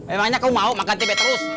emangnya kamu mau makan tempe terus